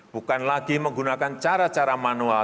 bukan lagi menggunakan cara cara manual